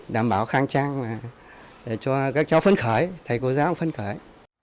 đảm bảo khang trang và cho các cháu phân khởi thầy cô giáo phân khởi